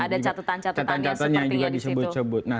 ada catetan catetannya yang disebut sebut